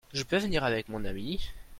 Je peux venir avec mon ami ?